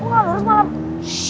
lo gak lurus malah